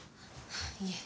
いえ。